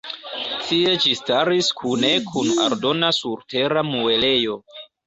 Tie ĝi staris kune kun aldona surtera muelejo.